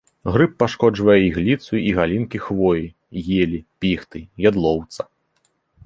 Грыб пашкоджвае ігліцу і галінкі хвоі, елі, піхты, ядлоўца.